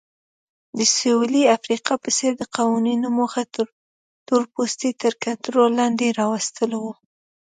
د سویلي افریقا په څېر د قوانینو موخه تورپوستي تر کنټرول لاندې راوستل وو.